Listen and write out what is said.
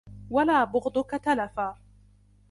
وَلَا بُغْضُك تَلَفًا